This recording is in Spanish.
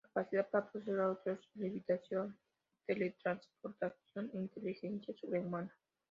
Capacidad para poseer a otros, levitación, teletransportación e inteligencia sobrehumana.